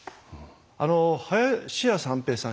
あの林家三平さん